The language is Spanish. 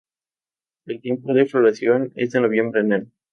El tiempo de floración es de noviembre a enero.